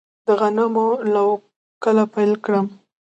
د غنمو لو کله پیل کړم؟